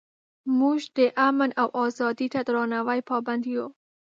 موږ د امن او ازادۍ ته درناوي پابند یو.